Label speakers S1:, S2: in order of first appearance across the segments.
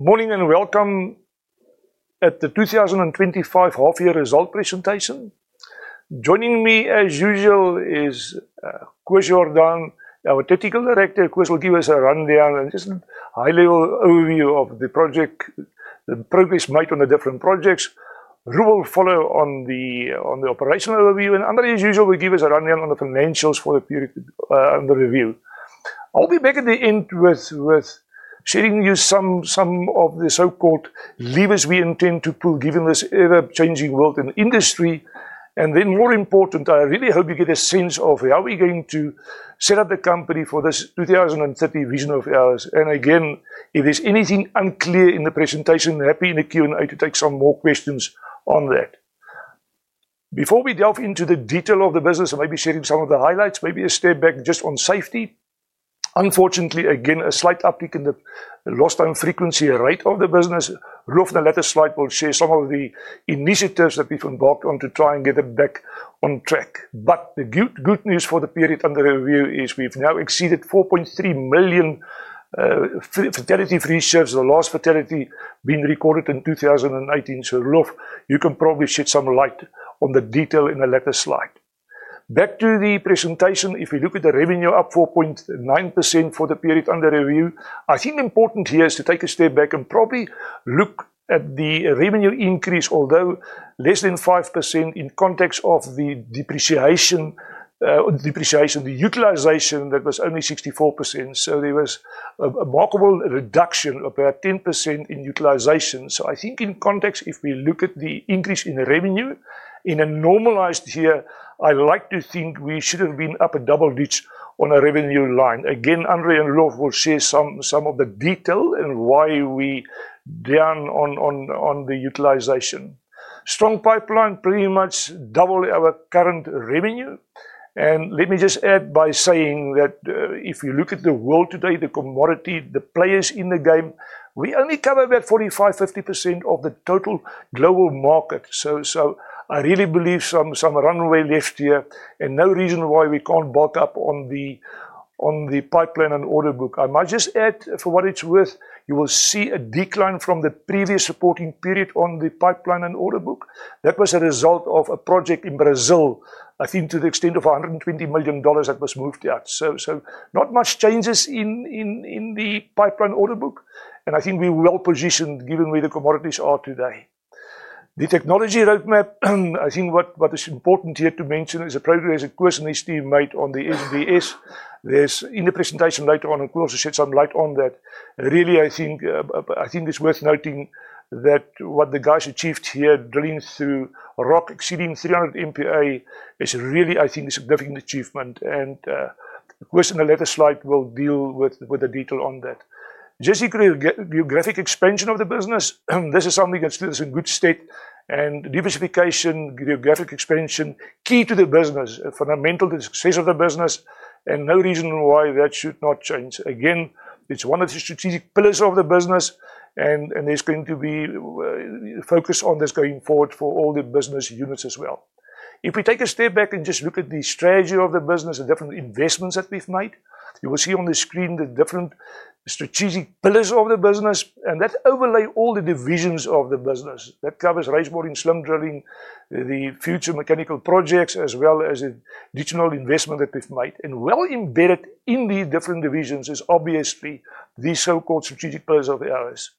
S1: Morning and welcome at the 2025 Half-Year Result presentation. Joining me, as usual, is Koos Jordaan, our Technical Director, who will give us a rundown and just a high-level overview of the project, the progress made on the different projects. Roelof will follow on the operational overview, and André, as usual, will give us a rundown on the financials for the period under review. I'll be back at the end with sharing with you some of the so-called levers we intend to pull, given this ever-changing world in the industry. More important, I really hope you get a sense of how we're going to set up the company for this 2030 vision of ours. If there's anything unclear in the presentation, I'm happy in the Q&A to take some more questions on that. Before we delve into the detail of the business, I might be sharing some of the highlights. Maybe a step back just on safety. Unfortunately, again, a slight uptick in the lost-on-frequency rate of the business. Roelof, on the latest slide, will share some of the initiatives that we've embarked on to try and get it back on track. The good news for the period under review is we've now exceeded 4.3 million fatality free shifts, the last fatality being recorded in 2018. Roelof, you can probably shed some light on the detail in the latest slide. Back to the presentation, if you look at the revenue up 4.9% for the period under review, I think the important here is to take a step back and probably look at the revenue increase, although less than 5% in context of the depreciation, the utilization that was only 64%. There was a remarkable reduction of about 10% in utilization. I think in context, if we look at the increase in revenue in a normalized year, I like to think we should have been up a double-digit on our revenue line. Again, André and Roelof will share some of the detail and why we're down on the utilization. Strong pipeline pretty much doubled our current revenue. Let me just add by saying that if you look at the world today, the commodity, the players in the game, we only cover about 45%-50% of the total global market. I really believe some runway left here and no reason why we can't back up on the pipeline and order book. I might just add, for what it's worth, you will see a decline from the previous reporting period on the pipeline and order book. That was a result of a project in Brazil, I think to the extent of $120 million that was moved out. Not much changes in the pipeline order book, and I think we're well positioned given where the commodities are today. The technology roadmap, I think what is important here to mention is the progress that Koos and his team made on the SVS. In the presentation later on, Koos will shed some light on that. I think it's worth noting that what the guys achieved here, drilling through rock exceeding 300 MPa, is really a significant achievement. Koos in the latest slide will deal with the detail on that. Geographic expansion of the business is something that's in good state, and diversification, geographic expansion, key to the business, fundamental to the success of the business, and no reason why that should not change. It's one of the strategic pillars of the business, and there's going to be a focus on this going forward for all the business units as well. If we take a step back and just look at the strategy of the business, the different investments that we've made, you will see on the screen the different strategic pillars of the business, and that overlays all the divisions of the business. That covers raise boring, slim drilling, the future mechanical projects, as well as the additional investment that we've made. Well embedded in the different divisions is obviously the so-called strategic pillars of ours.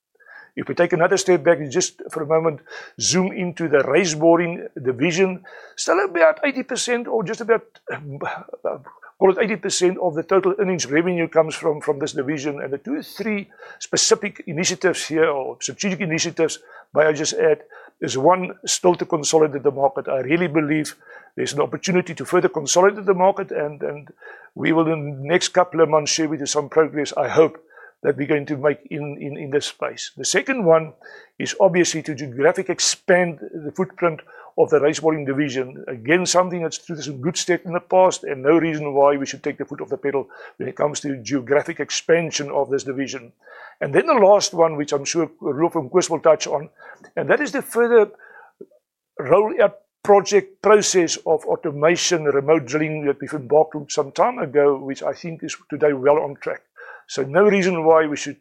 S1: If we take another step back and just for a moment zoom into the raise boring division, still about 80% or just about, call it 80% of the total earnings revenue comes from this division. The two or three specific initiatives here or strategic initiatives, may I just add, is one still to consolidate the market. I really believe there's an opportunity to further consolidate the market, and we will, in the next couple of months, share with you some progress I hope that we're going to make in this space. The second one is obviously to geographically expand the footprint of the raise boring division. Again, something that's in good state in the past, and no reason why we should take the foot off the pedal when it comes to geographic expansion of this division. The last one, which I'm sure Roelof and Koos will touch on, is the further roll-up project process of automation and remote operations that we've embarked on some time ago, which I think is today well on track. No reason why we should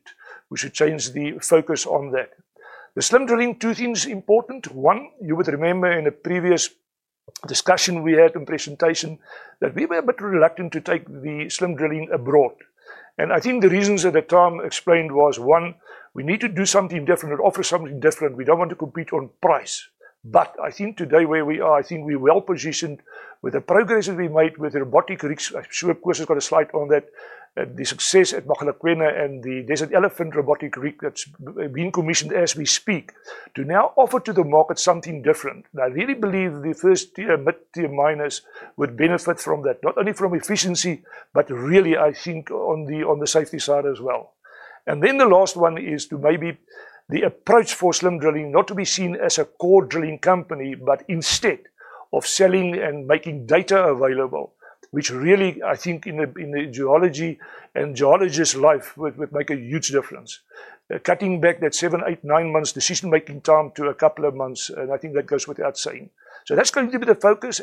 S1: change the focus on that. The slim drilling, two things important. One, you would remember in a previous discussion we had in the presentation that we were a bit reluctant to take the slim drilling abroad. I think the reasons at the time explained was, one, we need to do something different and offer something different. We don't want to compete on price. I think today where we are, I think we're well positioned with the progress that we made with robotic rigs. I'm sure Koos has got a slide on that, the success at Makalakwena and the Desert Elephant robotic rig that's being commissioned as we speak, to now offer to the market something different. I really believe the first tier, mid-tier miners would benefit from that, not only from efficiency, but really, I think, on the safety side as well. The last one is to maybe the approach for slim drilling not to be seen as a core drilling company, but instead of selling and making data available, which really, I think, in the geology and geologist's life, would make a huge difference. Cutting back that seven, eight, nine months decision-making time to a couple of months, and I think that goes without saying. That's going to be the focus.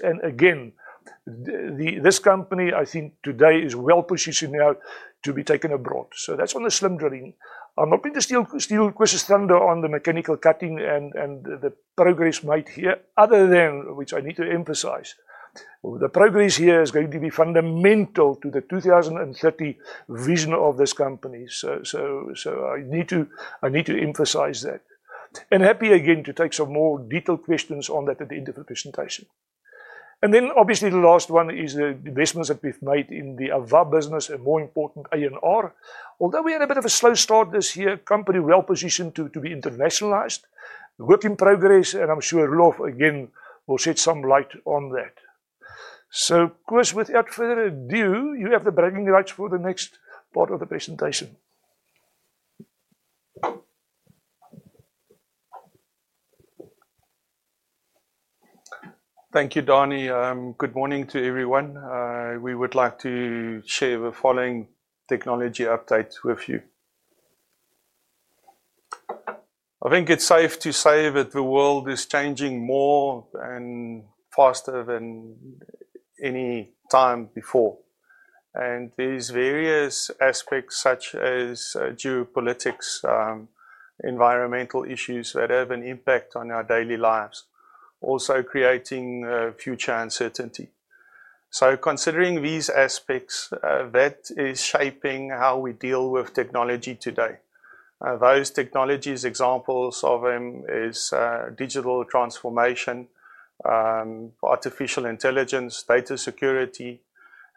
S1: This company, I think, today is well positioned now to be taken abroad. That's on the slim drilling. I'm not going to steal Koos' thunder on the mechanical rock cutting and the progress made here, other than, which I need to emphasize, the progress here is going to be fundamental to the 2030 vision of this company. I need to emphasize that. Happy again to take some more detailed questions on that at the end of the presentation. Obviously the last one is the investments that we've made in the AVA business and more important ANR. Although we had a bit of a slow start this year, company well positioned to be internationalized, work in progress, and I'm sure Roelof again will shed some light on that. Koos, without further ado, you have the breaking lights for the next part of the presentation.
S2: Thank you, Danie. Good morning to everyone. We would like to share the following technology updates with you. I think it's safe to say that the world is changing more and faster than any time before. These various aspects, such as geopolitics and environmental issues that have an impact on our daily lives, are also creating future uncertainty. Considering these aspects, that is shaping how we deal with technology today. Those technologies, examples of them, are digital transformation, artificial intelligence, data security,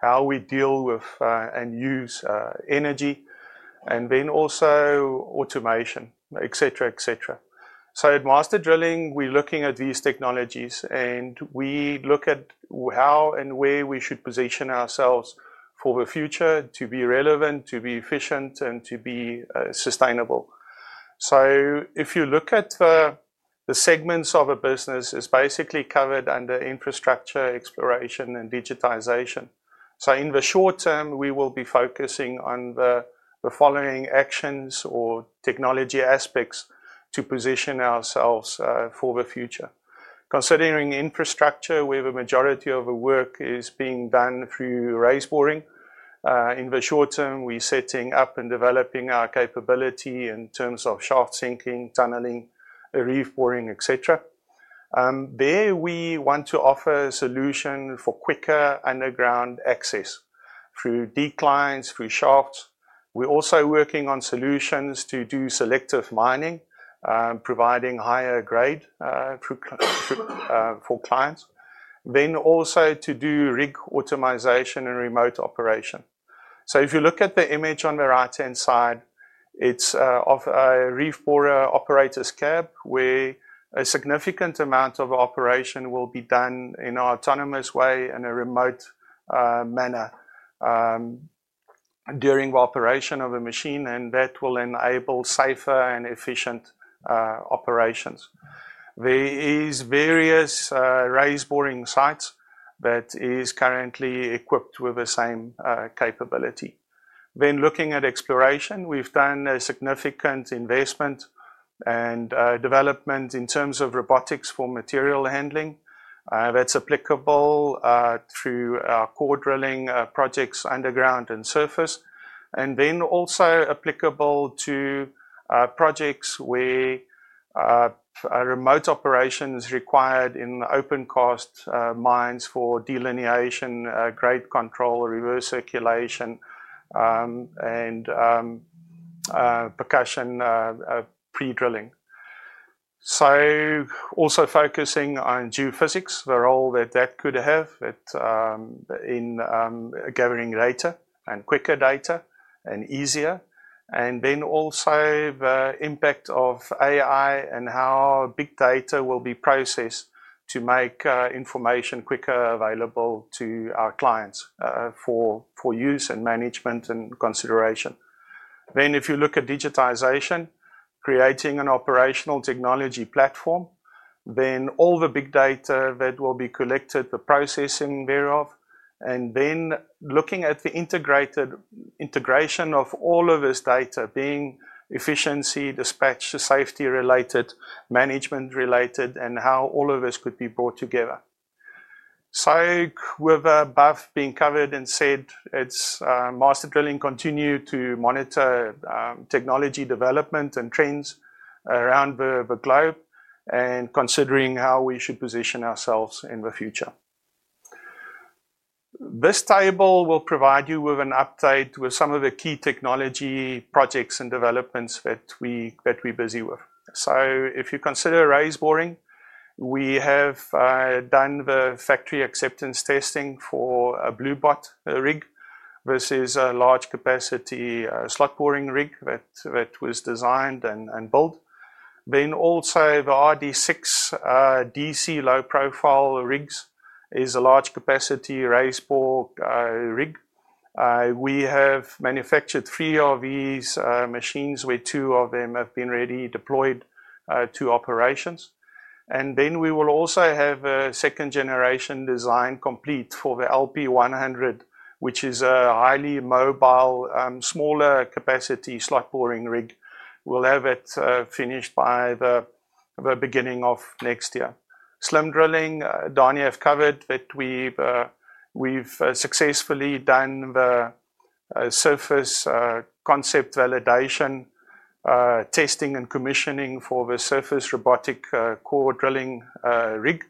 S2: how we deal with and use energy, and then also automation, etc. At Master Drilling, we're looking at these technologies and we look at how and where we should position ourselves for the future to be relevant, to be efficient, and to be sustainable. If you look at the segments of a business, it's basically covered under infrastructure, exploration, and digitization. In the short term, we will be focusing on the following actions or technology aspects to position ourselves for the future. Considering infrastructure, where the majority of the work is being done through raise boring, in the short term, we're setting up and developing our capability in terms of shaft sinking, tunneling, reef boring, etc. There, we want to offer a solution for quicker underground access through deep climbs, through shafts. We're also working on solutions to do selective mining, providing higher grade for climbs, then also to do rig optimization and remote operation. If you look at the image on the right-hand side, it's of a reef borer operator's cab where a significant amount of operation will be done in an autonomous way in a remote manner during the operation of a machine, and that will enable safer and efficient operations. There are various raise boring sites that are currently equipped with the same capability. Looking at exploration, we've done a significant investment and development in terms of robotics for material handling that's applicable through our core drilling projects underground and surface, and then also applicable to projects where remote operation is required in open cast mines for delineation, grade control, reverse circulation, and percussion pre-drilling. Also focusing on geophysics, the role that that could have in gathering data and quicker data and easier, and then also the impact of AI and how big data will be processed to make information quicker available to our clients for use and management and consideration. If you look at digitization, creating an operational technology platform, then all the big data that will be collected, the processing thereof, and then looking at the integration of all of this data, being efficiency, dispatch, safety-related, management-related, and how all of this could be brought together. With the above being covered and said, Master Drilling continues to monitor technology development and trends around the globe and considering how we should position ourselves in the future. This table will provide you with an update with some of the key technology projects and developments that we're busy with. If you consider raise boring, we have done the factory acceptance testing for a Bluebot rig versus a large capacity slot boring rig that was designed and built. Also, the RD6 DC low-profile rigs is a large capacity raise boring rig. We have manufactured three of these machines where two of them have been ready deployed to operations. We will also have a second-generation design complete for the LP100, which is a highly mobile, smaller capacity slot boring rig. We'll have it finished by the beginning of next year. Slim drilling, Danie, I've covered, but we've successfully done the surface concept validation, testing, and commissioning for the surface robotic core drilling rig.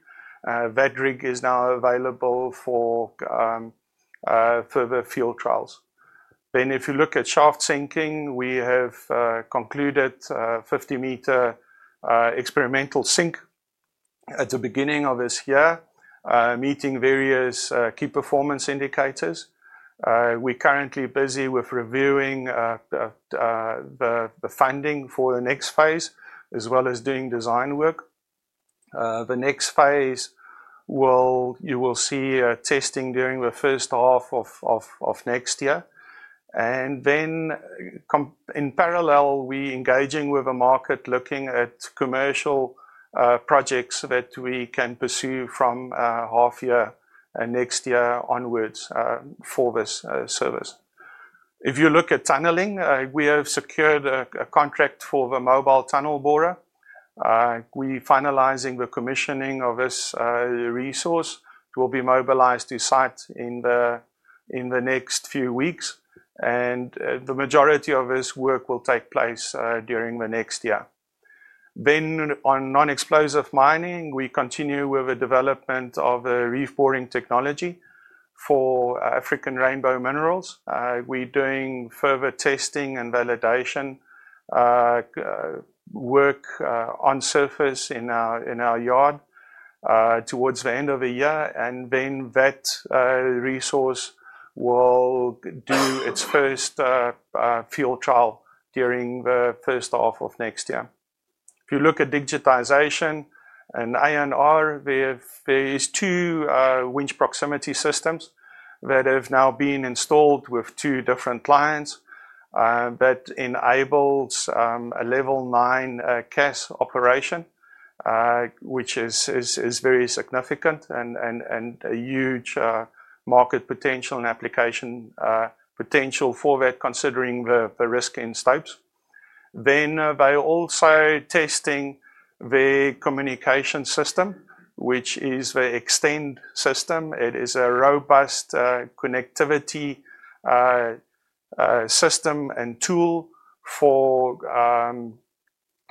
S2: That rig is now available for further field trials. If you look at shaft sinking, we have concluded a 50 m experimental sink at the beginning of this year, meeting various key performance indicators. We're currently busy with reviewing the funding for the next phase, as well as doing design work. The next phase, you will see testing during the first half of next year. In parallel, we're engaging with the market, looking at commercial projects that we can pursue from half-year next year onwards for this service. If you look at tunneling, we have secured a contract for the mobile tunnel borer. We're finalizing the commissioning of this resource. It will be mobilized to site in the next few weeks, and the majority of this work will take place during the next year. On non-explosive mining, we continue with the development of a reef boring technology for African Rainbow Minerals. We're doing further testing and validation work on surface in our yard towards the end of the year, and that resource will do its first field trial during the first half of next year. If you look at digitization and ANR, there are two winch proximity systems that have now been installed with two different lines that enable a level nine CAS operation, which is very significant and a huge market potential and application potential for that, considering the risk in steps. We are also testing the communication system, which is the Xtend system. It is a robust connectivity system and tool for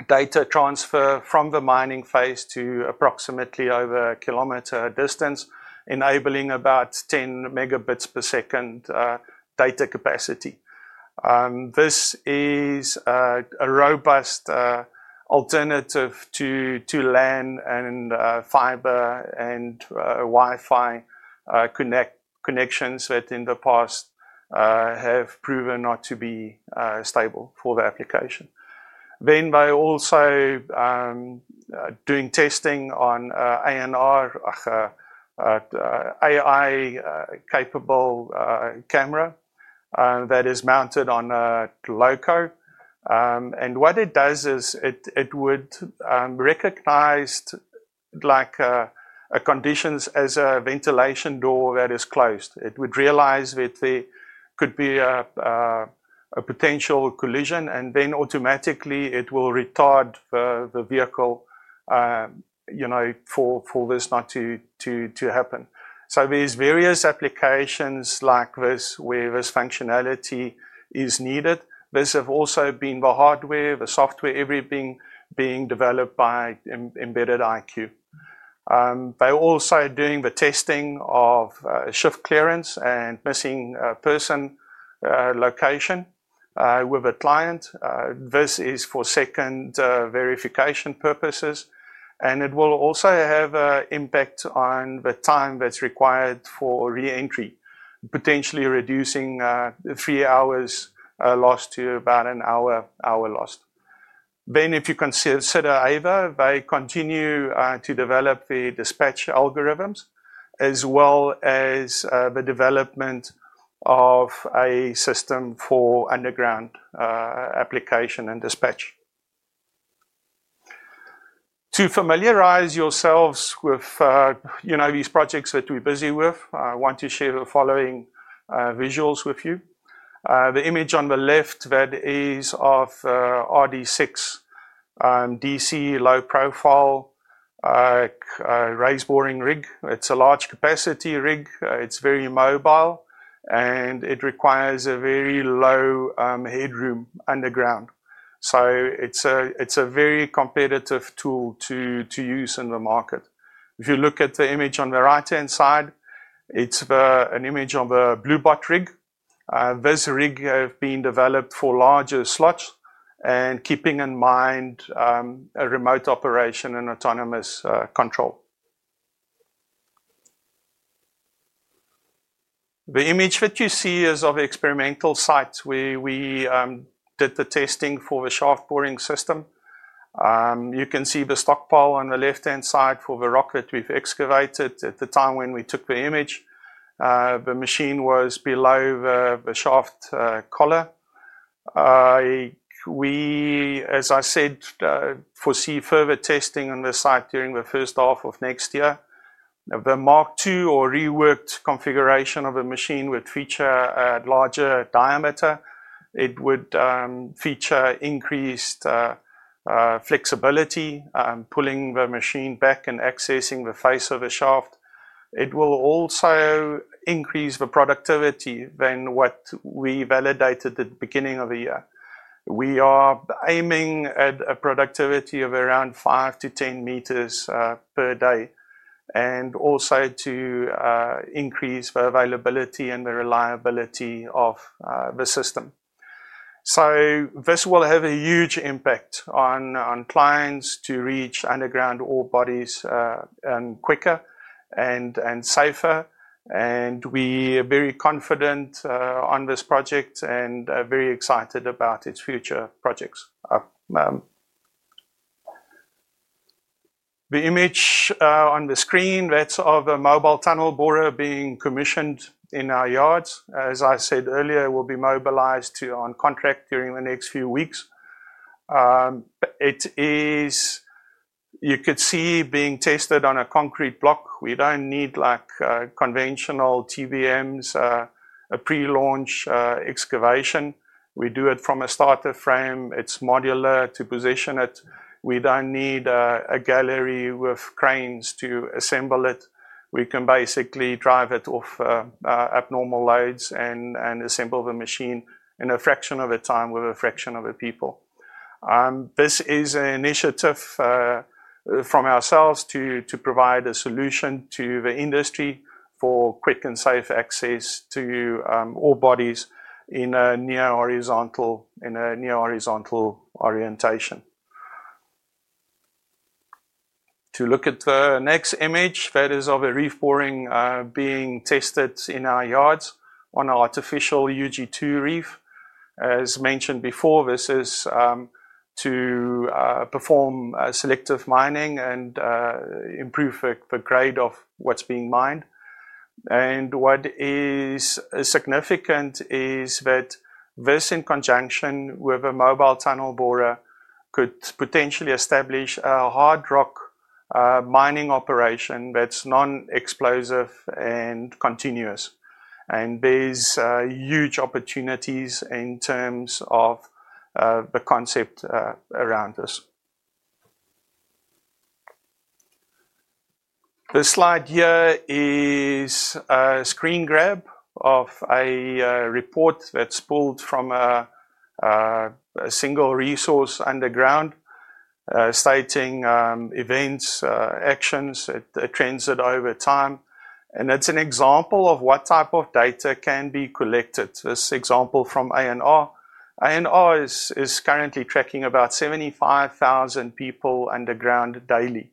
S2: data transfer from the mining phase to approximately over 1 km distance, enabling about 10 Mbps data capacity. This is a robust alternative to LAN and fiber and Wi-Fi connections that in the past have proven not to be stable for the application. We are also doing testing on ANR, AI-capable camera that is mounted on a loco, and what it does is it would recognize conditions such as a ventilation door that is closed. It would realize that there could be a potential collision, and then automatically it will retard the vehicle for this not to happen. There are various applications like this where this functionality is needed. This has also been the hardware, the software, everything being developed by Embedded IQ. We are also doing the testing of shift clearance and missing a person location with a client; this is for second verification purposes, and it will also have an impact on the time that's required for re-entry, potentially reducing three hours lost to about an hour lost. If you consider AVA, they continue to develop the dispatch algorithms as well as the development of a system for underground application and dispatch. To familiarize yourselves with these projects that we're busy with, I want to share the following visuals with you. The image on the left is of RD6 DC low-profile raise boring rig. It's a large capacity rig. It's very mobile, and it requires a very low headroom underground. It's a very competitive tool to use in the market. If you look at the image on the right-hand side, it's an image of a Bluebot rig. This rig has been developed for larger slots and keeping in mind a remote operation and autonomous control. The image that you see is of experimental sites where we did the testing for the shaft boring system. You can see the stockpile on the left-hand side for the rock that we've excavated at the time when we took the image. The machine was below the shaft collar. We, as I said, foresee further testing on the site during the first half of next year. The Mark II or reworked configuration of a machine would feature a larger diameter. It would feature increased flexibility, pulling the machine back and accessing the face of the shaft. It will also increase the productivity than what we validated at the beginning of the year. We are aiming at a productivity of around 5 m-10 m per day and also to increase the availability and the reliability of the system. This will have a huge impact on plans to reach underground all bodies quicker and safer, and we are very confident on this project and very excited about its future projects. The image on the screen, that's of a mobile tunnel borer being commissioned in our yards. As I said earlier, it will be mobilized on contract during the next few weeks. You could see being tested on a concrete block. We don't need, like conventional TBMs, a pre-launch excavation. We do it from a starter frame. It's modular to position it. We don't need a gallery with cranes to assemble it. We can basically drive it off abnormal loads and assemble the machine in a fraction of a time with a fraction of a people. This is an initiative from ourselves to provide a solution to the industry for quick and safe access to all bodies in a near horizontal orientation. To look at the next image, that is of a reef boring being tested in our yards on our artificial UG2 reef. As mentioned before, this is to perform selective mining and improve the grade of what's being mined. What is significant is that this in conjunction with a mobile tunnel borer could potentially establish a hard rock mining operation that's non-explosive and continuous. There are huge opportunities in terms of the concept around this. This slide here is a screen grab of a report that's pulled from a single resource underground, stating events, actions, and trends over time. That's an example of what type of data can be collected. This example from ANR. ANR is currently tracking about 75,000 people underground daily.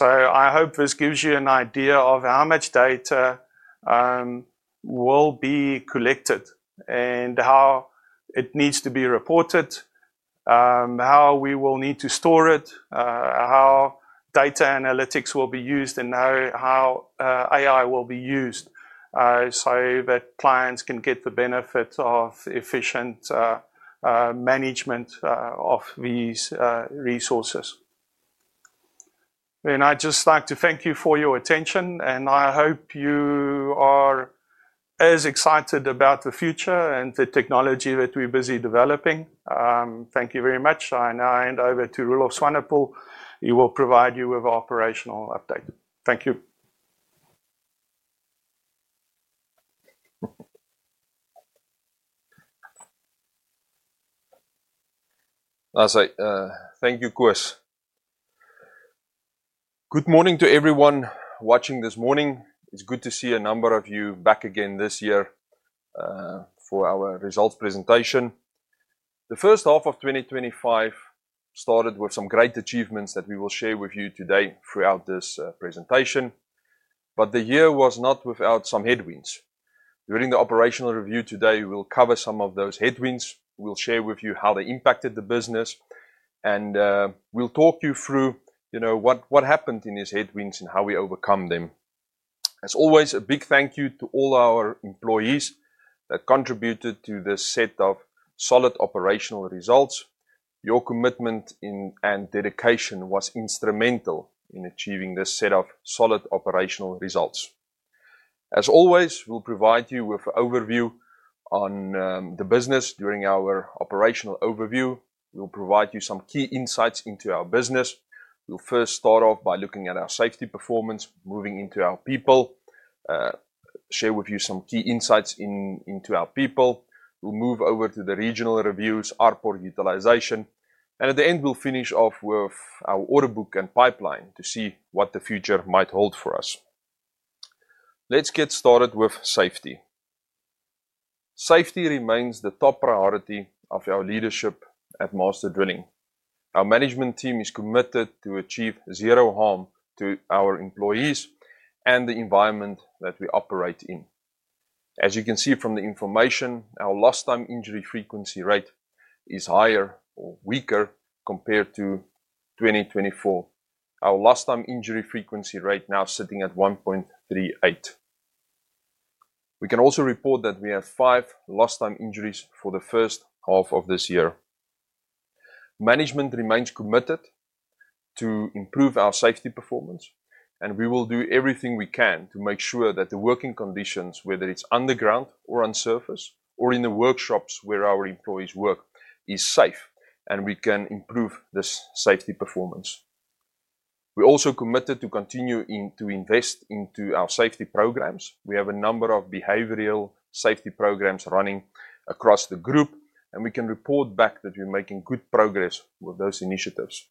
S2: I hope this gives you an idea of how much data will be collected and how it needs to be reported, how we will need to store it, how data analytics will be used, and how AI will be used so that clients can get the benefit of efficient management of these resources. I'd just like to thank you for your attention, and I hope you are as excited about the future and the technology that we're busy developing. Thank you very much. I'll hand over to Roelof Swanepoel. He will provide you with an operational update. Thank you.
S3: That's right. Thank you, Koos. Good morning to everyone watching this morning. It's good to see a number of you back again this year for our results presentation. The first half of 2025 started with some great achievements that we will share with you today throughout this presentation. The year was not without some headwinds. During the operational review today, we'll cover some of those headwinds. We'll share with you how they impacted the business, and we'll talk you through what happened in these headwinds and how we overcome them. As always, a big thank you to all our employees that contributed to this set of solid operational results. Your commitment and dedication was instrumental in achieving this set of solid operational results. As always, we'll provide you with an overview on the business during our operational overview. We'll provide you some key insights into our business. We'll first start off by looking at our safety performance, moving into our people, share with you some key insights into our people. We'll move over to the regional reviews, our port utilization, and at the end, we'll finish off with our order book and pipeline to see what the future might hold for us. Let's get started with safety. Safety remains the top priority of our leadership at Master Drilling. Our management team is committed to achieve zero harm to our employees and the environment that we operate in. As you can see from the information, our lost time injury frequency rate is higher or weaker compared to 2024. Our lost time injury frequency rate now is sitting at 1.38. We can also report that we had five lost time injuries for the first half of this year. Management remains committed to improve our safety performance, and we will do everything we can to make sure that the working conditions, whether it's underground or on surface or in the workshops where our employees work, are safe and we can improve the safety performance. We're also committed to continue to invest into our safety programs. We have a number of behavioral safety programs running across the group, and we can report back that we're making good progress with those initiatives.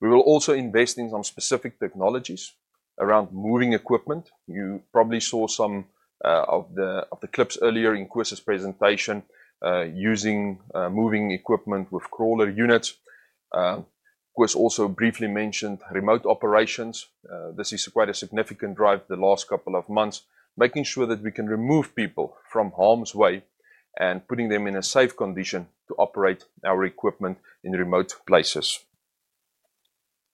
S3: We will also invest in some specific technologies around moving equipment. You probably saw some of the clips earlier in Koos's presentation using moving equipment with crawler units. Koos also briefly mentioned remote operations. This is quite a significant drive the last couple of months, making sure that we can remove people from harm's way and putting them in a safe condition to operate our equipment in remote places.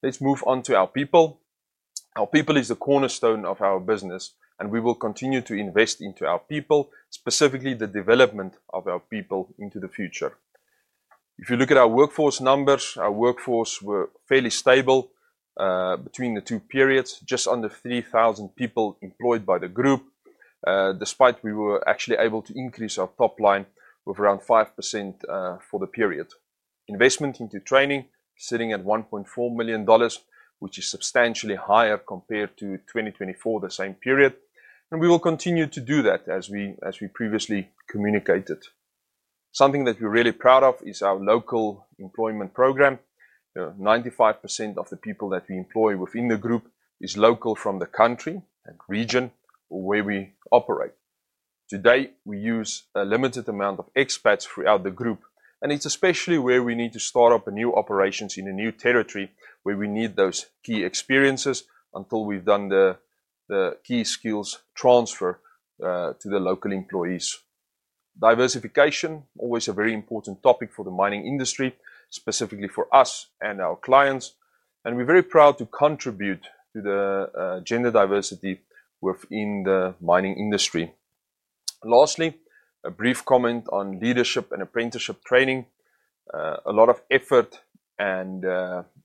S3: Let's move on to our people. Our people are the cornerstone of our business, and we will continue to invest into our people, specifically the development of our people into the future. If you look at our workforce numbers, our workforce was fairly stable between the two periods, just under 3,000 people employed by the group, despite we were actually able to increase our top line with around 5% for the period. Investment into training is sitting at $1.4 million, which is substantially higher compared to 2023, the same period, and we will continue to do that as we previously communicated. Something that we're really proud of is our local employment program. You know, 95% of the people that we employ within the group are local from the country and region or where we operate. Today, we use a limited amount of expats throughout the group, and it's especially where we need to start up new operations in a new territory where we need those key experiences until we've done the key skills transfer to the local employees. Diversification, always a very important topic for the mining industry, specifically for us and our clients, and we're very proud to contribute to the gender diversity within the mining industry. Lastly, a brief comment on leadership and apprenticeship training. A lot of effort and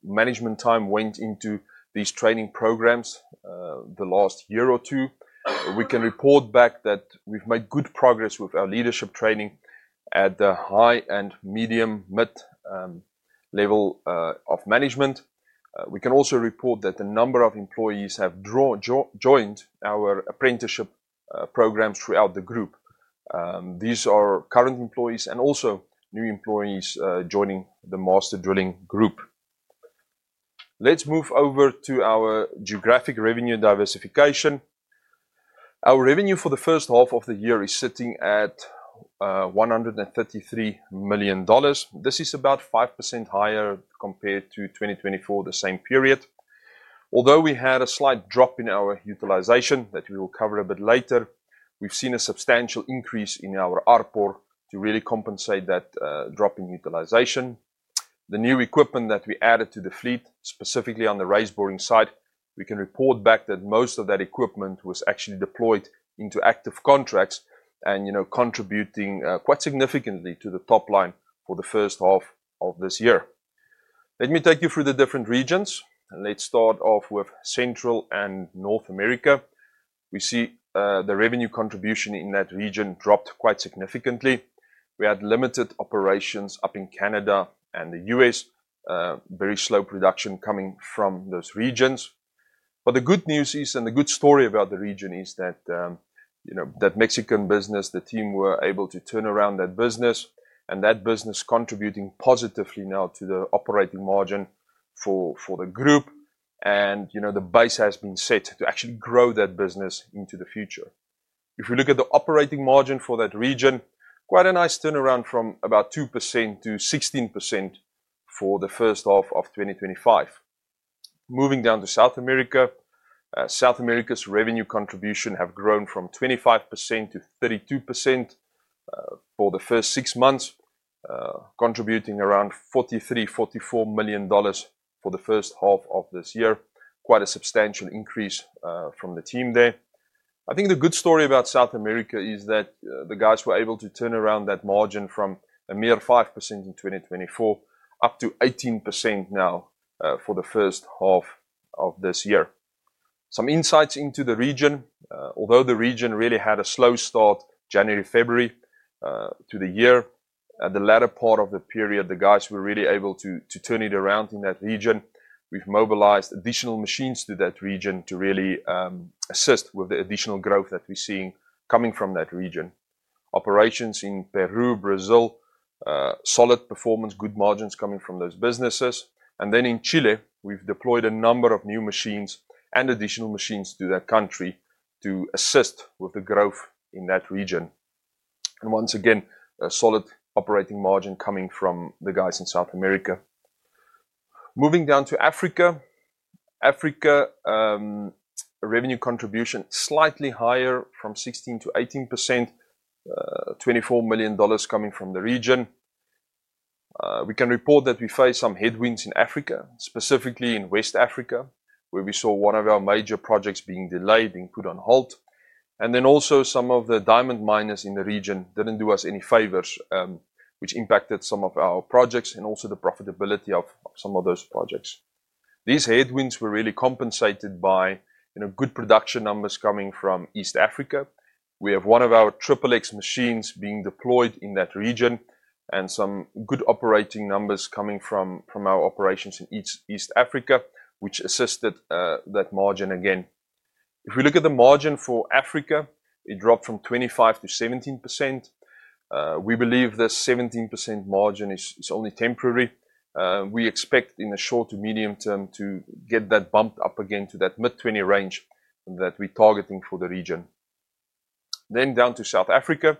S3: management time went into these training programs the last year or two. We can report back that we've made good progress with our leadership training at the high and medium level of management. We can also report that the number of employees have joined our apprenticeship programs throughout the group. These are current employees and also new employees joining the Master Drilling Group. Let's move over to our geographic revenue diversification. Our revenue for the first half of the year is sitting at $133 million. This is about 5% higher compared to 2023, the same period. Although we had a slight drop in our utilization that we will cover a bit later, we've seen a substantial increase in our RPOR to really compensate that drop in utilization. The new equipment that we added to the fleet, specifically on the raise boring side, we can report back that most of that equipment was actually deployed into active contracts and contributing quite significantly to the top line for the first half of this year. Let me take you through the different regions. Let's start off with Central and North America. We see the revenue contribution in that region dropped quite significantly. We had limited operations up in Canada and the U.S., very slow production coming from those regions. The good news is, and the good story about the region is that, you know, that Mexican business, the team were able to turn around that business, and that business is contributing positively now to the operating margin for the group. You know, the base has been set to actually grow that business into the future. If you look at the operating margin for that region, quite a nice turnaround from about 2% to 16% for the first half of 2025. Moving down to South America, South America's revenue contribution has grown from 25% to 32% for the first six months, contributing around $43 million-$44 million for the first half of this year. Quite a substantial increase from the team there. I think the good story about South America is that the guys were able to turn around that margin from a mere 5% in 2024 up to 18% now for the first half of this year. Some insights into the region, although the region really had a slow start, January, February, to the year, the latter part of the period, the guys were really able to turn it around in that region. We've mobilized additional machines to that region to really assist with the additional growth that we're seeing coming from that region. Operations in Peru, Brazil, solid performance, good margins coming from those businesses. In Chile, we've deployed a number of new machines and additional machines to that country to assist with the growth in that region. Once again, a solid operating margin coming from the guys in South America. Moving down to Africa, Africa revenue contribution is slightly higher from 16% to 18%, $24 million coming from the region. We can report that we face some headwinds in Africa, specifically in West Africa, where we saw one of our major projects being delayed, being put on halt. Also, some of the diamond miners in the region didn't do us any favors, which impacted some of our projects and also the profitability of some of those projects. These headwinds were really compensated by good production numbers coming from East Africa. We have one of our triple X machines being deployed in that region and some good operating numbers coming from our operations in East Africa, which assisted that margin again. If we look at the margin for Africa, it dropped from 25% to 17%. We believe this 17% margin is only temporary. We expect in the short to medium term to get that bumped up again to that mid-20% range that we're targeting for the region. Down to South Africa,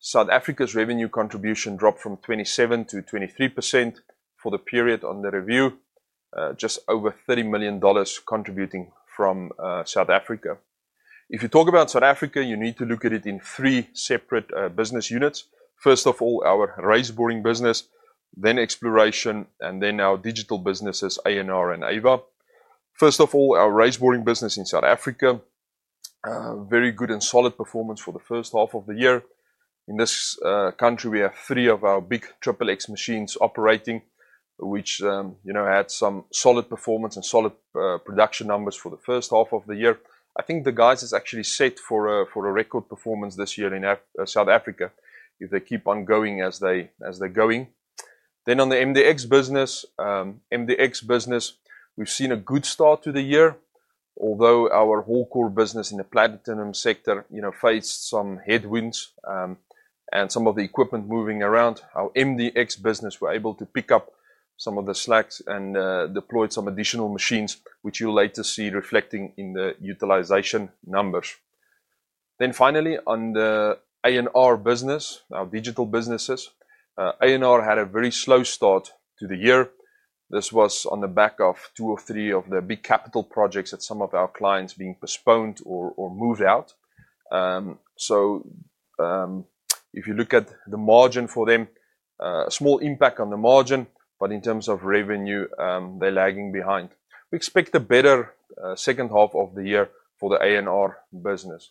S3: South Africa's revenue contribution dropped from 27% to 23% for the period under review, just over $30 million contributing from South Africa. If you talk about South Africa, you need to look at it in three separate business units. First of all, our raise boring business, then exploration, and then our digital businesses, ANR and AVA. First of all, our raise boring business in South Africa, very good and solid performance for the first half of the year. In this country, we have three of our big triple X machines operating, which had some solid performance and solid production numbers for the first half of the year. I think the guys are actually set for a record performance this year in South Africa if they keep on going as they're going. On the MDX business, we've seen a good start to the year, although our whole core business in the platinum sector faced some headwinds and some of the equipment moving around. Our MDX business was able to pick up some of the slack and deploy some additional machines, which you'll later see reflecting in the utilization numbers. Finally, on the ANR business, our digital businesses, ANR had a very slow start to the year. This was on the back of two or three of the big capital projects that some of our clients are being postponed or moved out. If you look at the margin for them, a small impact on the margin, but in terms of revenue, they're lagging behind. We expect a better second half of the year for the ANR business.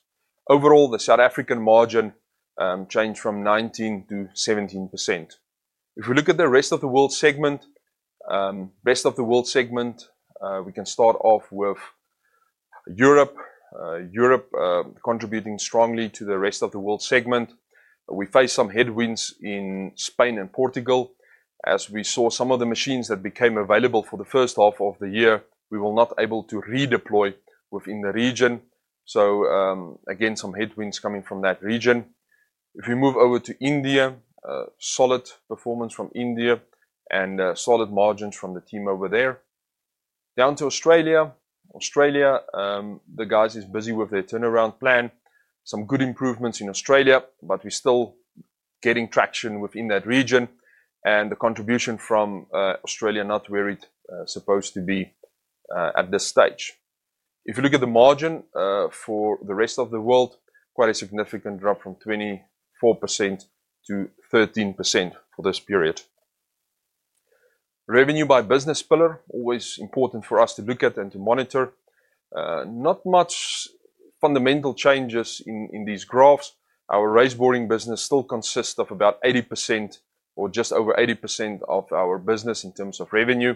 S3: Overall, the South African margin changed from 19% to 17%. If we look at the rest of the world segment, we can start off with Europe, Europe contributing strongly to the rest of the world segment. We face some headwinds in Spain and Portugal. As we saw, some of the machines that became available for the first half of the year, we were not able to redeploy within the region. Again, some headwinds coming from that region. If you move over to India, solid performance from India and solid margins from the team over there. Down to Australia, the guys are busy with their turnaround plan. Some good improvements in Australia, but we're still getting traction within that region and the contribution from Australia not where it's supposed to be at this stage. If you look at the margin for the rest of the world, quite a significant drop from 24% to 13% for this period. Revenue by business pillar, always important for us to look at and to monitor. Not much fundamental changes in these graphs. Our raise boring business still consists of about 80% or just over 80% of our business in terms of revenue.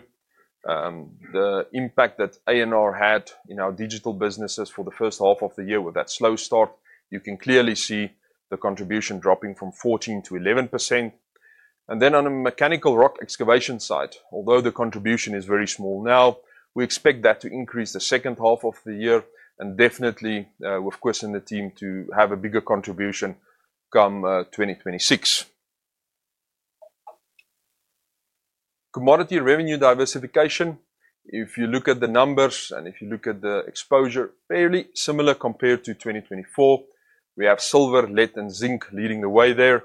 S3: The impact that ANR had in our digital businesses for the first half of the year with that slow start, you can clearly see the contribution dropping from 14% to 11%. On a mechanical rock cutting technology site, although the contribution is very small now, we expect that to increase the second half of the year and definitely with Koos and the team to have a bigger contribution come 2026. Commodity revenue diversification, if you look at the numbers and if you look at the exposure, fairly similar compared to 2024. We have silver, lead, and zinc leading the way there.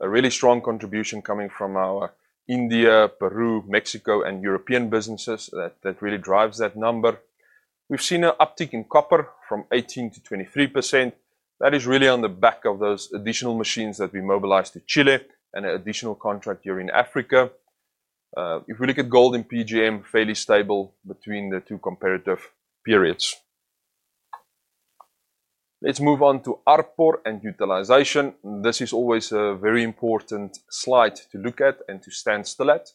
S3: A really strong contribution coming from our India, Peru, Mexico, and European businesses that really drives that number. We've seen an uptick in copper from 18% to 23%. That is really on the back of those additional machines that we mobilized to Chile and an additional contract here in Africa. If we look at gold and PGM, fairly stable between the two comparative periods. Let's move on to RPOR and utilization. This is always a very important slide to look at and to stand still at.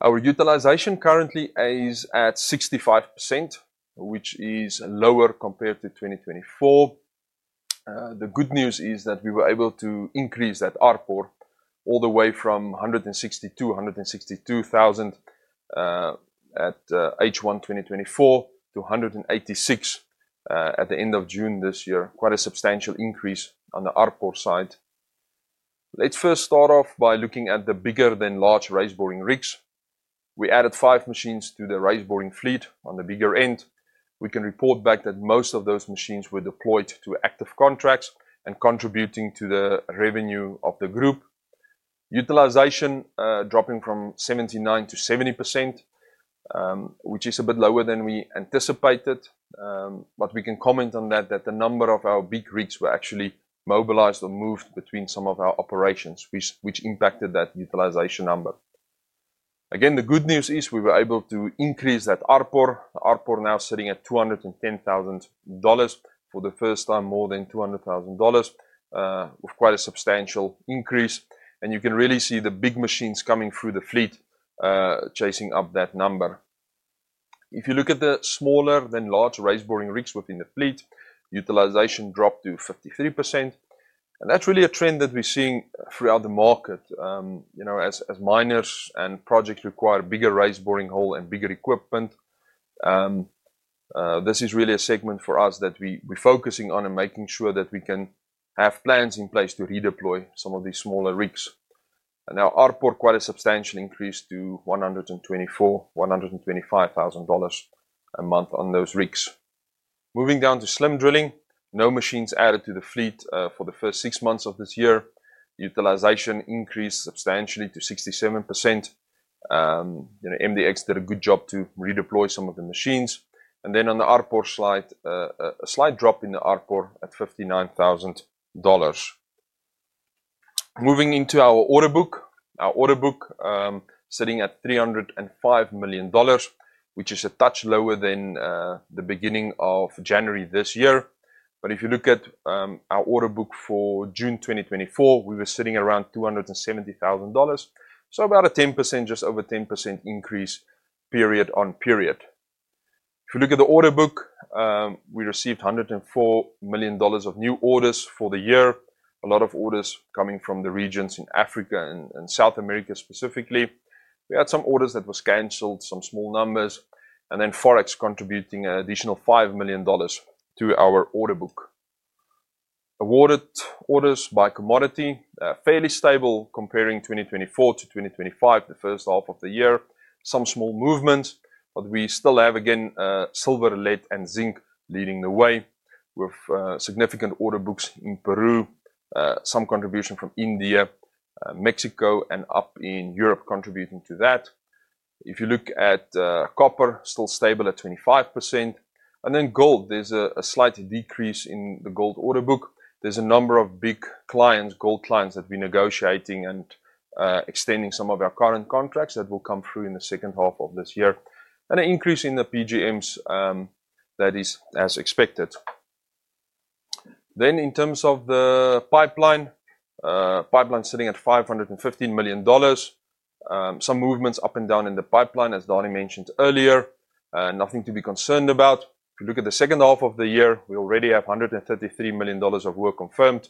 S3: Our utilization currently is at 65%, which is lower compared to 2024. The good news is that we were able to increase that RPOR all the way from $162,000 at H1 2024 to $186,000 at the end of June this year. Quite a substantial increase on the RPOR side. Let's first start off by looking at the bigger than large raise boring rigs. We added five machines to the raise boring fleet on the bigger end. We can report back that most of those machines were deployed to active contracts and contributing to the revenue of the group. Utilization dropping from 79% to 70%, which is a bit lower than we anticipated. We can comment on that, that the number of our big rigs were actually mobilized or moved between some of our operations, which impacted that utilization number. The good news is we were able to increase that RPOR. RPOR now sitting at $210,000 for the first time, more than $200,000, with quite a substantial increase. You can really see the big machines coming through the fleet chasing up that number. If you look at the smaller than large raise boring rigs within the fleet, utilization dropped to 53%. That's really a trend that we're seeing throughout the market. As miners and projects require bigger raise boring hull and bigger equipment, this is really a segment for us that we're focusing on and making sure that we can have plans in place to redeploy some of these smaller rigs. Now RPOR quite a substantial increase to $124,000-$125,000 a month on those rigs. Moving down to slim drilling, no machines added to the fleet for the first six months of this year. Utilization increased substantially to 67%. MDX did a good job to redeploy some of the machines. On the RPOR slide, a slight drop in the RPOR at $59,000. Moving into our order book, our order book sitting at $305 million, which is a touch lower than the beginning of January this year. If you look at our order book for June 2024, we were sitting around $270 million. About a 10%, just over 10% increase period on period. If you look at the order book, we received $104 million of new orders for the year. A lot of orders coming from the regions in Africa and South America specifically. We had some orders that were canceled, some small numbers, and then Forex contributing an additional $5 million to our order book. Awarded orders by commodity, fairly stable comparing 2024 to 2025, the first half of the year. Some small movements, but we still have again silver, lead, and zinc leading the way with significant order books in Peru, some contribution from India, Mexico, and up in Europe contributing to that. If you look at copper, still stable at 25%. Gold, there's a slight decrease in the gold order book. There's a number of big clients, gold clients that we're negotiating and extending some of our current contracts that will come through in the second half of this year. An increase in the PGMs, that is as expected. In terms of the pipeline, pipeline sitting at $515 million. Some movements up and down in the pipeline, as Danie mentioned earlier, nothing to be concerned about. If you look at the second half of the year, we already have $133 million of work confirmed,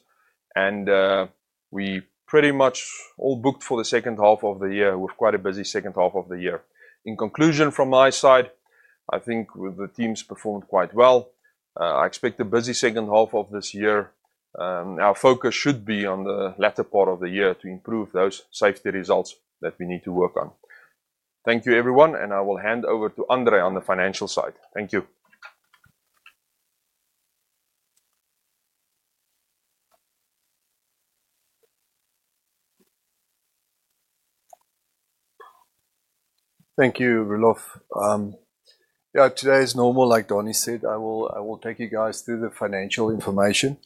S3: and we pretty much all booked for the second half of the year with quite a busy second half of the year. In conclusion, from my side, I think the teams performed quite well. I expect a busy second half of this year. Our focus should be on the latter part of the year to improve those safety results that we need to work on. Thank you, everyone, and I will hand over to André on the financial side. Thank you.
S4: Thank you, Roelof. Yeah, today is normal, like Danie said. I will take you guys through the financial information.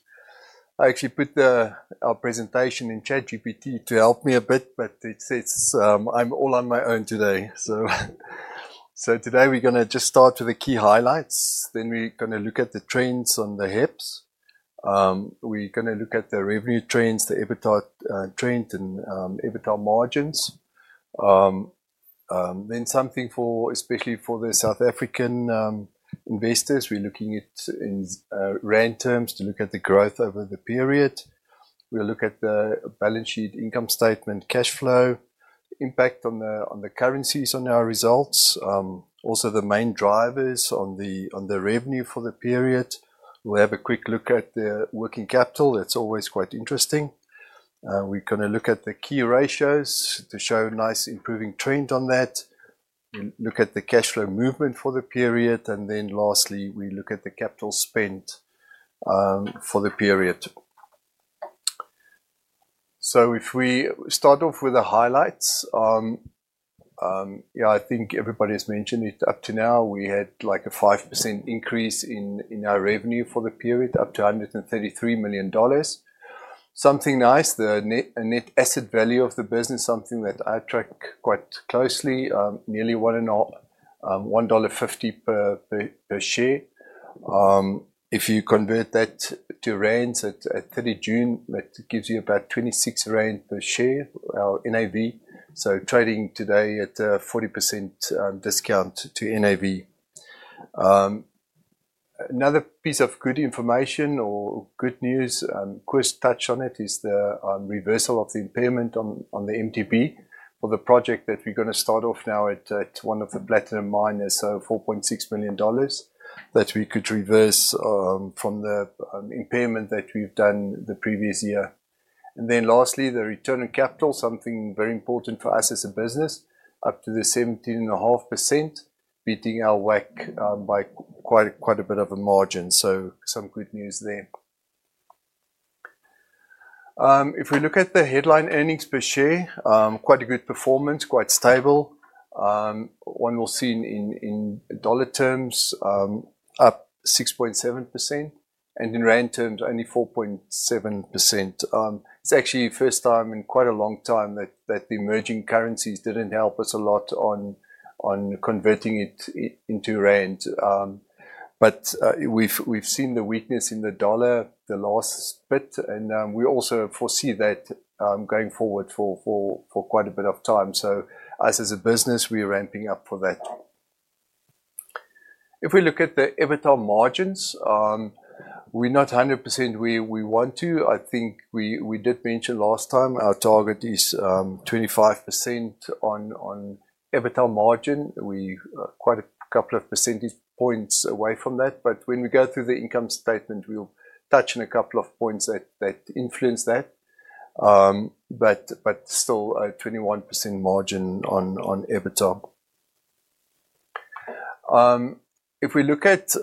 S4: I actually put our presentation in ChatGPT to help me a bit, but it says I'm all on my own today. Today we're going to just start with the key highlights. Then we're going to look at the trends on the HEPS. We're going to look at the revenue trends, the EBITDA trends, and EBITDA margins. Something especially for the South African investors, we're looking at rand terms to look at the growth over the period. We'll look at the balance sheet, income statement, cash flow, impact of the currencies on our results. Also, the main drivers on the revenue for the period. We'll have a quick look at the working capital. That's always quite interesting. We're going to look at the key ratios to show nice improving trends on that. We'll look at the cash flow movement for the period, and then lastly, we'll look at the capital spend for the period. If we start off with the highlights, I think everybody's mentioned it up to now. We had like a 5% increase in our revenue for the period up to $133 million. Something nice, the net asset value of the business, something that I track quite closely, nearly $1.50 per share. If you convert that to rand at 30 June, that gives you about 26 rand per share in NAV. Trading today at a 40% discount to NAV. Another piece of good information or good news, Koos touched on it, is the reversal of the impairment on the MDB for the project that we're going to start off now at one of the platinum miners, so $4.6 million that we could reverse from the impairment that we've done the previous year. Lastly, the return on capital, something very important for us as a business, up to the 17.5%, beating our WACC by quite a bit of a margin. Some good news there. If we look at the headline earnings per share, quite a good performance, quite stable. One will see in dollar terms up 6.7% and in rand terms only 4.7%. It's actually the first time in quite a long time that the emerging currencies didn't help us a lot on converting it into rand. We've seen the weakness in the dollar the last bit, and we also foresee that going forward for quite a bit of time. Us as a business, we're ramping up for that. If we look at the EBITDA margins, we're not 100% where we want to. I think we did mention last time our target is 25% on EBITDA margin. We're quite a couple of percentage points away from that, but when we go through the income statement, we'll touch on a couple of points that influence that. Still, a 21% margin on EBITDA. If we look at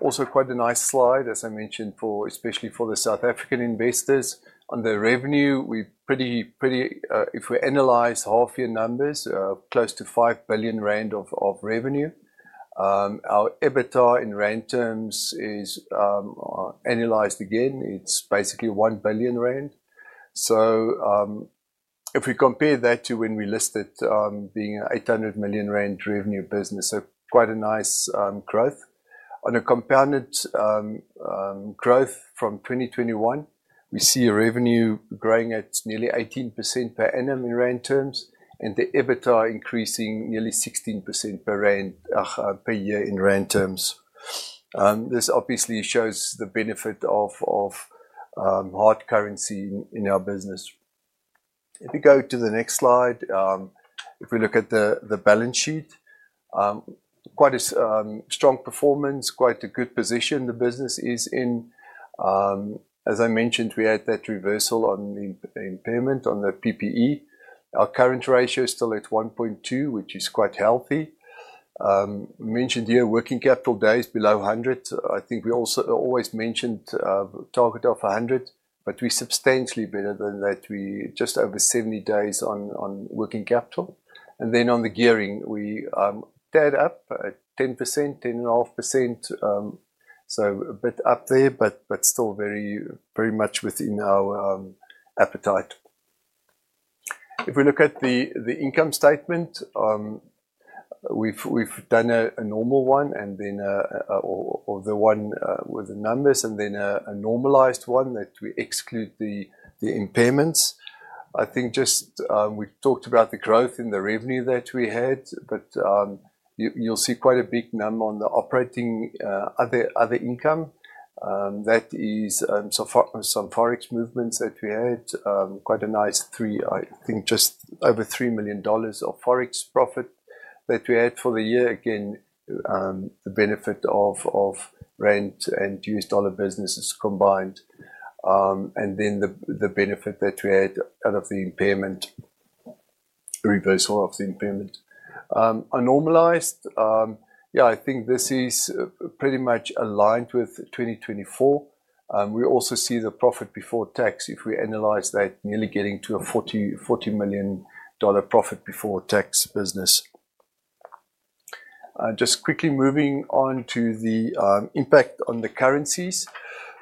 S4: also quite a nice slide, as I mentioned, especially for the South African investors on the revenue, we're pretty, pretty, if we analyze half-year numbers, close to 5 billion rand of revenue. Our EBITDA in rand terms is analyzed again. It's basically 1 billion rand. If we compare that to when we listed, being an 800 million rand revenue business, quite a nice growth. On a compounded growth from 2021, we see revenue growing at nearly 18% per annum in rand terms and the EBITDA increasing nearly 16% per year in rand terms. This obviously shows the benefit of hard currency in our business. If we go to the next slide, if we look at the balance sheet, quite a strong performance, quite a good position the business is in. As I mentioned, we had that reversal on the impairment on the PPE. Our current ratio is still at 1.2x, which is quite healthy. I mentioned here working capital days below 100. I think we also always mentioned a target of 100, but we're substantially better than that. We're just over 70 days on working capital. On the gearing, we're dead up at 10%, 10.5%. A bit up there, but still very, very much within our appetite. If we look at the income statement, we've done a normal one and then the one with the numbers and then a normalized one that we exclude the impairments. I think just we talked about the growth in the revenue that we had, but you'll see quite a big number on the operating other income. That is some forex movements that we had, quite a nice three, I think just over $3 million of forex profit that we had for the year. Again, the benefit of rand and U.S. dollar businesses combined. Then the benefit that we had out of the impairment, the reversal of the impairment. A normalized, yeah, I think this is pretty much aligned with 2024. We also see the profit before tax, if we analyze that, nearly getting to a $40 million profit before tax business. Quickly moving on to the impact on the currencies.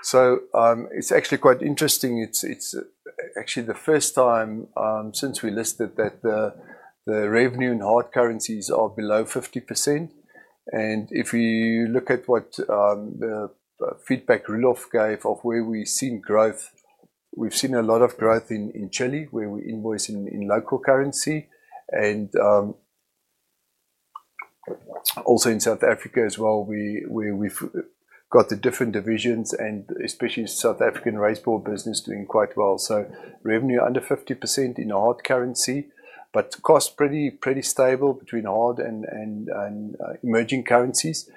S4: It's actually quite interesting. It's actually the first time since we listed that the revenue in hard currencies are below 50%. If you look at what the feedback Roelof gave of where we've seen growth, we've seen a lot of growth in Chile, where we invoice in local currency. Also in South Africa as well, where we've got the different divisions and especially South African raise boring business doing quite well. Revenue under 50% in a hard currency, but cost pretty, pretty stable between hard and emerging currencies.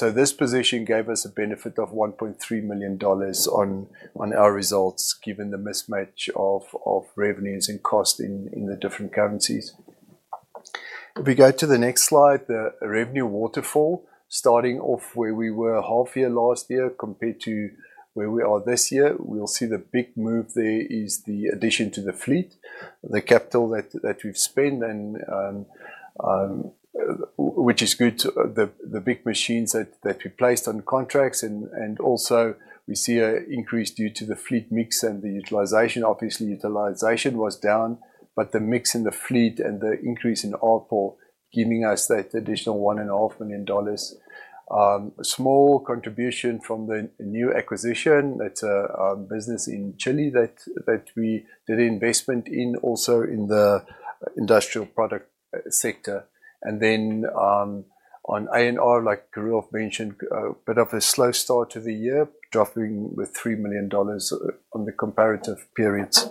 S4: This position gave us a benefit of $1.3 million on our results, given the mismatch of revenues and cost in the different currencies. If we go to the next slide, the revenue waterfall, starting off where we were half year last year compared to where we are this year, we'll see the big move there is the addition to the fleet, the capital that we've spent, which is good. The big machines that we placed on contracts, and also we see an increase due to the fleet mix and the utilization. Obviously, utilization was down, but the mix in the fleet and the increase in RPOR giving us that additional $1.5 million. A small contribution from the new acquisition, that's a business in Chile that we did an investment in, also in the industrial product sector. On ANR, like Roelof mentioned, a bit of a slow start to the year, dropping with $3 million on the comparative periods.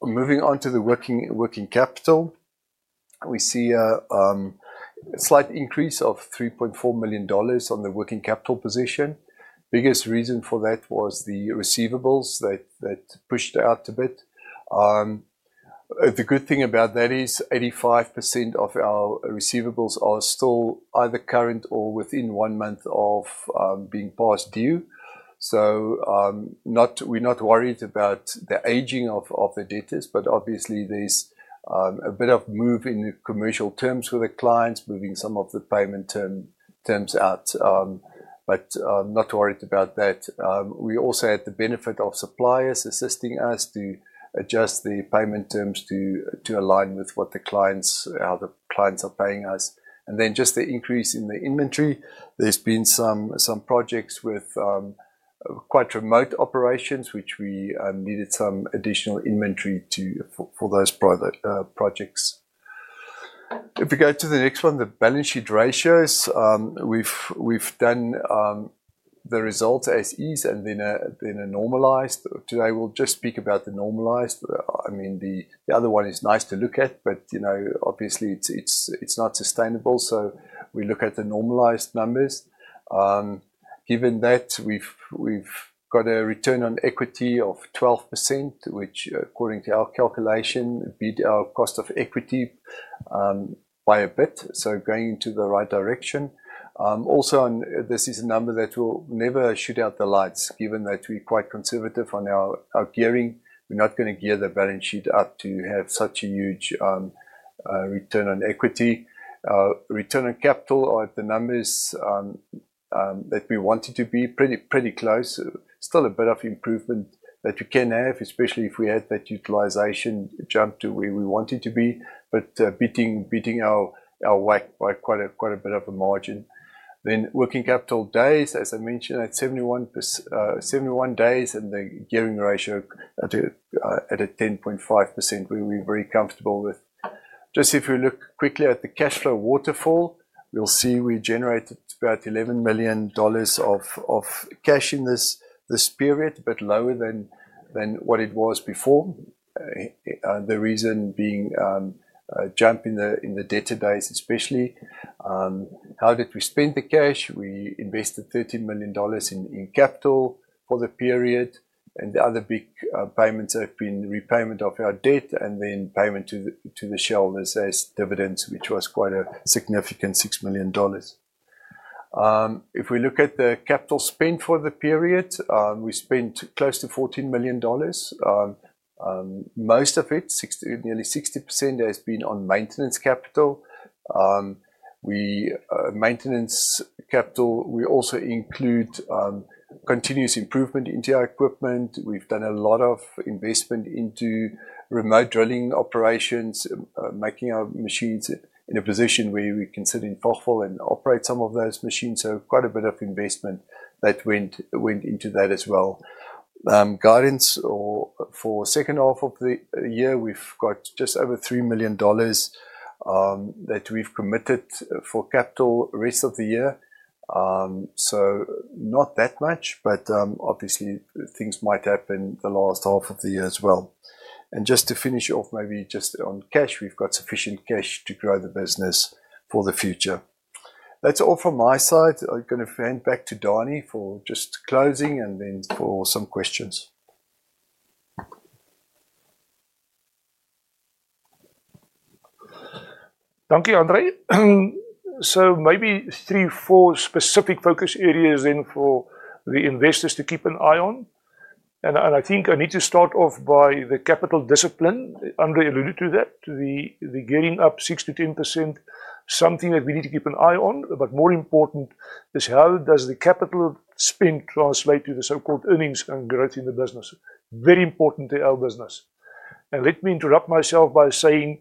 S4: Moving on to the working capital, we see a slight increase of $3.4 million on the working capital position. The biggest reason for that was the receivables that pushed out a bit. The good thing about that is 85% of our receivables are still either current or within one month of being past due. We're not worried about the aging of the debtors, but obviously there's a bit of move in the commercial terms with the clients, moving some of the payment terms out. Not worried about that. We also had the benefit of suppliers assisting us to adjust the payment terms to align with what the clients are paying us. Just the increase in the inventory, there's been some projects with quite remote operations, which we needed some additional inventory for those projects. If we go to the next one, the balance sheet ratios, we've done the results as is and then a normalized. Today, we'll just speak about the normalized. The other one is nice to look at, but obviously it's not sustainable. We look at the normalized numbers. Given that, we've got a return on equity of 12%, which according to our calculation beat our cost of equity by a bit. Going into the right direction. Also, this is a number that will never shoot out the lights, given that we're quite conservative on our gearing. We're not going to gear the balance sheet up to have such a huge return on equity. Return on capital are the numbers that we wanted to be, pretty close. Still a bit of improvement that we can have, especially if we add that utilization jump to where we wanted to be, but beating our WACC by quite a bit of a margin. Working capital days, as I mentioned, at 71 days and the gearing ratio at 10.5%, we're very comfortable with. If we look quickly at the cash flow waterfall, we'll see we generated about $11 million of cash in this period, a bit lower than what it was before. The reason being a jump in the debtor days, especially. How did we spend the cash? We invested $13 million in capital for the period, and the other big payments have been repayment of our debt and then payment to the shareholders as dividends, which was quite a significant $6 million. If we look at the capital spend for the period, we spent close to $14 million. Most of it, nearly 60%, has been on maintenance capital. We also include continuous improvement into our equipment. We've done a lot of investment into remote drilling operations, making our machines in a position where we can sit in foothill and operate some of those machines. Quite a bit of investment that went into that as well. Guidance for the second half of the year, we've got just over $3 million that we've committed for capital the rest of the year. Not that much, but obviously things might happen the last half of the year as well. Just to finish off, maybe just on cash, we've got sufficient cash to grow the business for the future. That's all from my side. I'm going to hand back to Danie for just closing and then for some questions.
S1: Thank you, André. Maybe three, four specific focus areas then for the investors to keep an eye on. I think I need to start off by the capital discipline. Andre alluded to that, the gearing up 6%-10%, something that we need to keep an eye on. More important is how does the capital spend translate to the so-called earnings and growth in the business? Very important to our business. Let me interrupt myself by saying,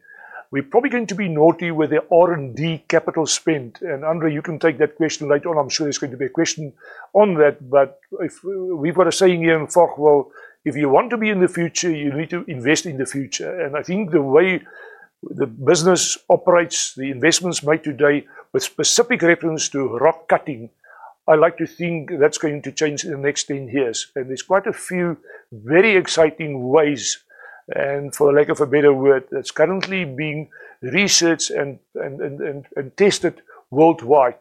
S1: we're probably going to be naughty with the R&D capital spend. André, you can take that question later on. I'm sure there's going to be a question on that. If we've got a saying here in Fochville, if you want to be in the future, you need to invest in the future. I think the way the business operates, the investments made today with specific reference to rock cutting, I like to think that's going to change in the next 10 years. There's quite a few very exciting ways, and for the lack of a better word, that's currently being researched and tested worldwide.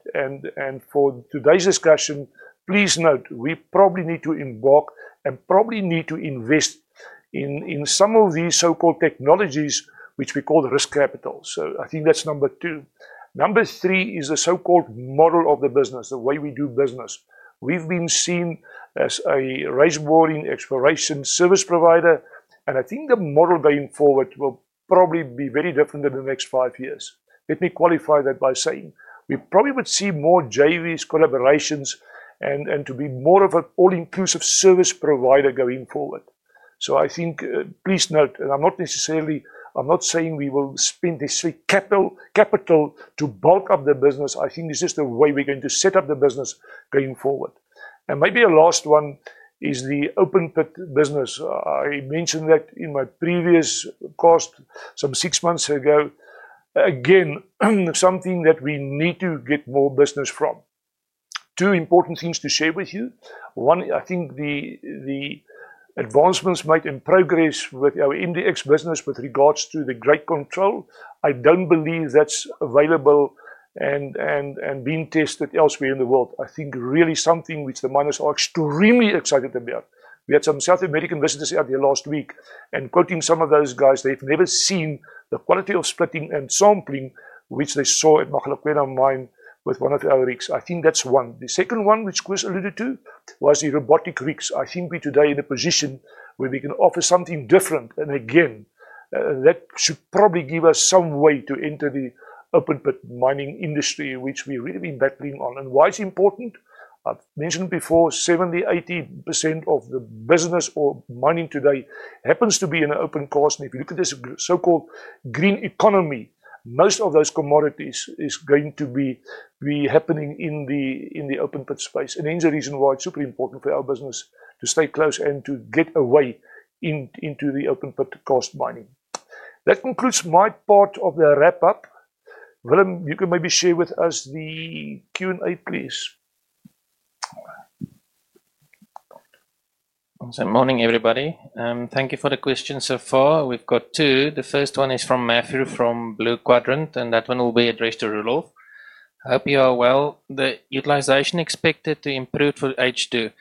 S1: For today's discussion, please note, we probably need to embark and probably need to invest in some of these so-called technologies, which we call the risk capital. I think that's number two. Number three is the so-called model of the business, the way we do business. We've been seen as a raise boring exploration service provider, and I think the model going forward will probably be very different in the next five years. Let me qualify that by saying, we probably would see more JVs, collaborations, and to be more of an all-inclusive service provider going forward. Please note, and I'm not necessarily, I'm not saying we will spend this capital to bulk up the business. I think this is the way we're going to set up the business going forward. Maybe the last one is the open pit business. I mentioned that in my previous call some six months ago. Again, something that we need to get more business from. Two important things to share with you. One, I think the advancements made in progress with our MDX business with regards to the grade control. I don't believe that's available and being tested elsewhere in the world. I think really something which the miners are extremely excited about. We had some South American visitors out here last week, and quoting some of those guys, they've never seen the quality of splitting and sampling, which they saw at Makhado mine with one of our rigs. I think that's one. The second one, which Koos alluded to, was the robotic rigs. I think we're today in a position where we can offer something different. That should probably give us some way to enter the open pit mining industry, which we've really been battling on. Why is it important? I've mentioned before, 70%-80% of the business or mining today happens to be in an open course. If you look at this so-called green economy, most of those commodities are going to be happening in the open pit space. Hence the reason why it's super important for our business to stay close and to get away into the open pit course mining. That concludes my part of the wrap-up. Willem, you can maybe share with us the Q&A, please?
S5: Good morning, everybody. Thank you for the questions so far. We've got two. The first one is from Matthew from Blue Quadrant, and that one will be addressed to Roelof. I hope you are well. The utilization expected to improve for H2.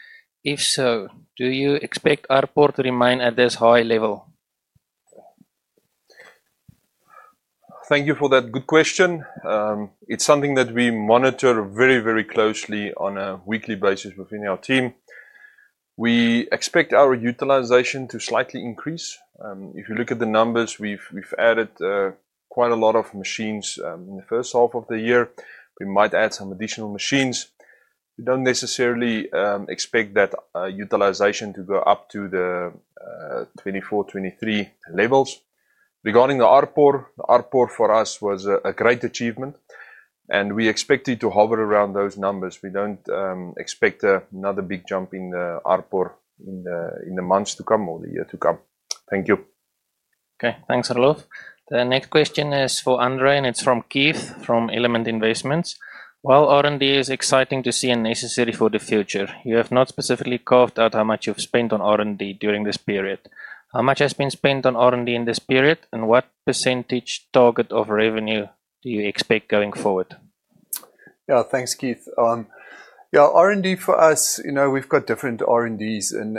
S5: If so, do you expect RPOR to remain at this high level?
S3: Thank you for that good question. It's something that we monitor very, very closely on a weekly basis within our team. We expect our utilization to slightly increase. If you look at the numbers, we've added quite a lot of machines in the first half of the year. We might add some additional machines. We don't necessarily expect that utilization to go up to the 2024, 2023 levels. Regarding the RPOR, the RPOR for us was a great achievement, and we expect it to hover around those numbers. We don't expect another big jump in the RPOR in the months to come or the year to come. Thank you.
S5: Okay, thanks Roelof. The next question is for André, and it's from Keith from Element Investments. While R&D is exciting to see and necessary for the future, you have not specifically carved out how much you've spent on R&D during this period. How much has been spent on R&D in this period, and what % target of revenue do you expect going forward?
S4: Yeah, thanks Keith. R&D for us, you know, we've got different R&Ds, and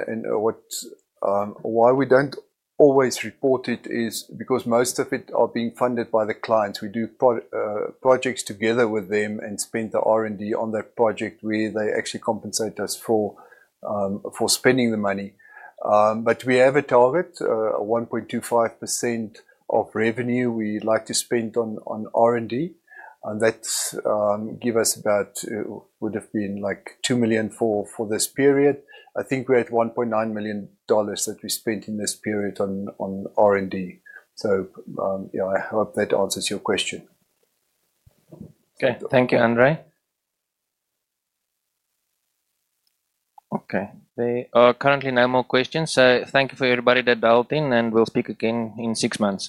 S4: why we don't always report it is because most of it is being funded by the clients. We do projects together with them and spend the R&D on that project where they actually compensate us for spending the money. We have a target, a 1.25% of revenue we like to spend on R&D, and that gives us about, it would have been like $2 million for this period. I think we're at $1.9 million that we spent in this period on R&D. I hope that answers your question.
S5: Okay, thank you André. There are currently no more questions. Thank you for everybody that dialed in, and we'll speak again in six months.